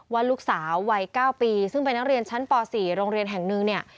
ว่าลูกสาววัย๙ปีซึ่งเป็นนักเรียนชั้นป๔โรงเรียนแห่งหนึ่งเนี่ย